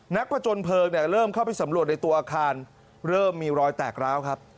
ผจญเพลิงเนี่ยเริ่มเข้าไปสำรวจในตัวอาคารเริ่มมีรอยแตกร้าวครับ